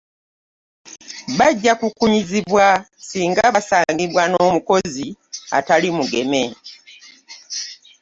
Bajja kukunyizibwa singa basangibwa n'omukozi atali mugeme.